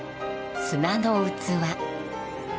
「砂の器」。